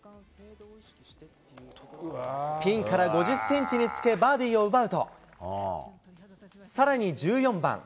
ピンから５０センチにつけ、バーディーを奪うと、さらに１４番。